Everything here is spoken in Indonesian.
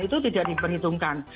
itu tidak diperhitungkan